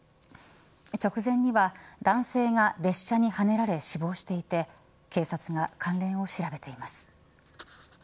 直前には男性が列車にはねられ死亡していて警察が関連を調べています。